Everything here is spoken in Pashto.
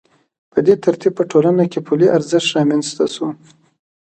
په دې ترتیب په ټولنه کې پولي ارزښت رامنځته شو